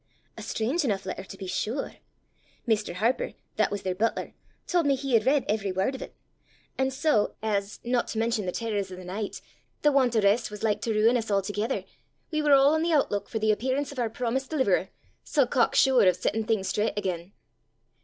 A strange enough letter to be sure! Mr. Harper, that was their butler, told me he had read every word of it! And so, as, not to mention the terrors o' the nicht, the want o' rist was like to ruin us a'thegither, we were a' on the outlook for the appearance of oor promised deliverer, sae cock sure o' settin' things straucht again!